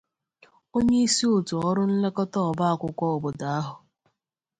onyeisi òtù ọrụ nlekọta ọba akwụkwọ obodo ahụ